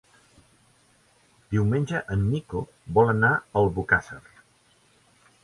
Diumenge en Nico vol anar a Albocàsser.